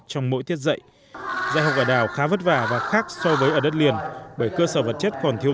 trong mỗi tiết dạy dạy học ở đảo khá vất vả và khác so với ở đất liền bởi cơ sở vật chất còn thiếu